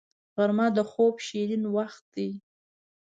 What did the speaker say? غرمه د خوب شیرین وخت وي